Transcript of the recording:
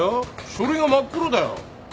書類が真っ黒だよ。